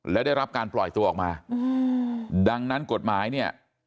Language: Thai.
และได้รับการปล่อยตัวออกมาดังนั้นกฎหมายเนี่ย